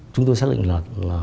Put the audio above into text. chúng tôi xác định là